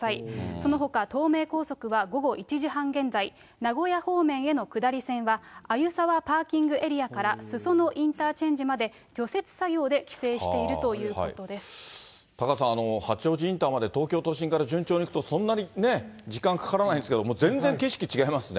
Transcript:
そのほか東名高速は午後１時半現在、名古屋方面への下り線は、鮎沢パーキングエリアから裾野インターチェンジまで、除雪作業でタカさん、八王子インターまで、東京都心から順調に行くと、そんなに時間かからないんですけれども、全然景色違いますね。